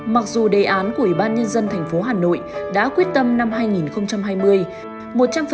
mặc dù đề án của ủy ban nhân dân thành phố hà nội đã quyết tâm năm hai nghìn hai mươi